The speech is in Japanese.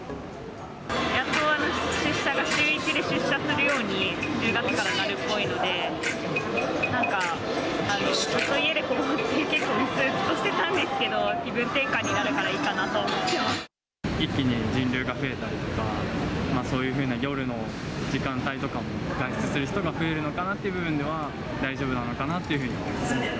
やっと週１で出社するように、１０月からなるっぽいので、なんか、ずっと家でこもっててうつうつとしてたんですけど、気分転換にな一気に人流が増えたりとか、そういうふうな夜の時間帯とかも外出する人が増えるのかなっていう部分では、大丈夫なのかなっていうふうに思ってます。